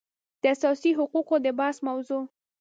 د اساسي حقوقو د بحث موضوع